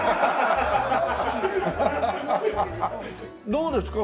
どうですか？